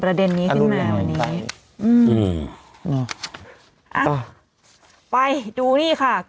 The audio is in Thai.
ต้องมีคนปวดแล้ว